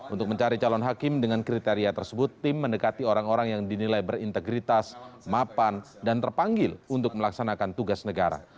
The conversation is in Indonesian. untuk mencari calon hakim dengan kriteria tersebut tim mendekati orang orang yang dinilai berintegritas mapan dan terpanggil untuk melaksanakan tugas negara